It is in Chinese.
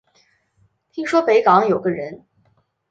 听说北港有个人